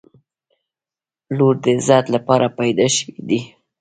• لور د عزت لپاره پیدا شوې ده.